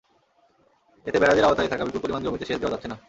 এতে ব্যারাজের আওতায় থাকা বিপুল পরিমাণ জমিতে সেচ দেওয়া যাচ্ছে না।